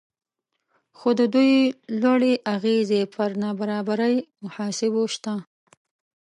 خو د دوی لوړې اغیزې پر نابرابرۍ محاسبو شته